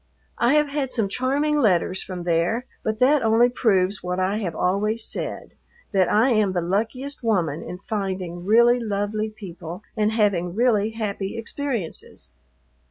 I have had some charming letters from there, but that only proves what I have always said, that I am the luckiest woman in finding really lovely people and having really happy experiences.